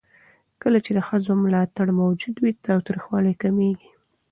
کله چې د ښځو ملاتړ موجود وي، تاوتريخوالی کمېږي.